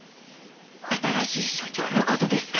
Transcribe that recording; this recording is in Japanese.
新しい署長のことですか。